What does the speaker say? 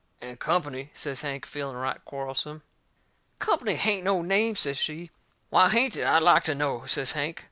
"And Company," says Hank, feeling right quarrelsome. "COMPANY hain't no name," says she. "WHY hain't it, I'd like to know?" says Hank.